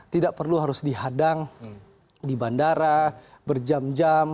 tidak perlu harus dihadang di bandara berjam jam